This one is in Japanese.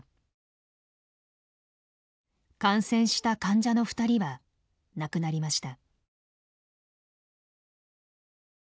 感染した患者の２人は亡くなりました。